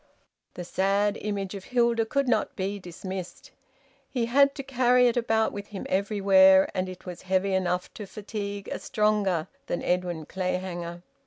The sad image of Hilda would not be dismissed. He had to carry it about with him everywhere, and it was heavy enough to fatigue a stronger than Edwin Clayhanger.